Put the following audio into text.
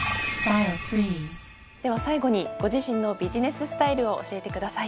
では最後にご自身のビジネススタイルを教えてください。